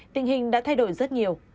tình hình đã thay đổi rất nhiều